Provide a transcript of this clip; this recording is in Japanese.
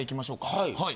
はい。